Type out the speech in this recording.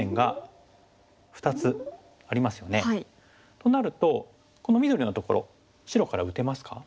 となるとこの緑のところ白から打てますか？